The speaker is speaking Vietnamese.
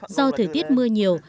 do thời tiết mưa nhiều